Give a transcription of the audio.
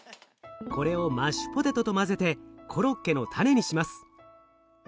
これをマッシュポテトと混ぜてコロッケのたねにします。